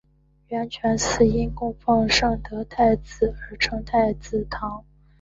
圆泉寺因供奉圣德太子而称太子堂。